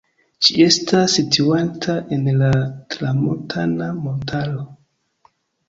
Ĝi estas situanta en la Tramuntana-montaro.